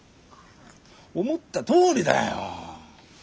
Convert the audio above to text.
思ったとおりだよ。